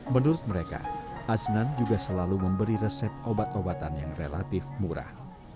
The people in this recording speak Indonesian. menurut mereka aznan juga selalu memberi resep obat obatan yang relatif murah